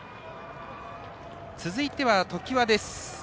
続いては、常磐です。